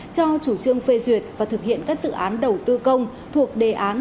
cho chủ trương phê duyệt và thực hiện các dự án đầu tư công thuộc đề án